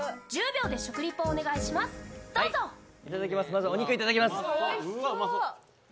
まずはお肉いただきます。